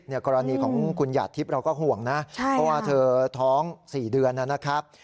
เนี่ยกรณีของคุณหยาดทิพย์เราก็ห่วงนะใช่ค่ะเพราะว่าเธอท้องสี่เดือนน่ะนะครับ